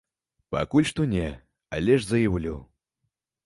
Пакуль што не, але ж заяўлю.